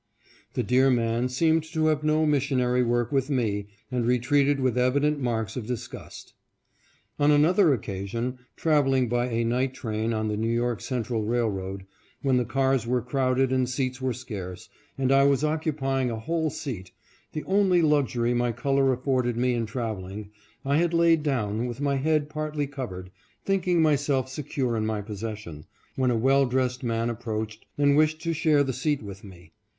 The dear man seemed to have no missionary work with me, and re treated with evident marks of disgust. On another occasion, traveling by a night train on the New York Central railroad, when the cars were crowded and seats were scarce, and I was occupying a whole seat, the only luxury my color afforded me in traveling, I had laid down, with my head partly covered, thinking myself secure in my possession, when a well dressed man ap proached and wished to share the seat with me.